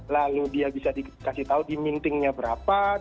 lalu dia bisa dikasih tahu di mintingnya berapa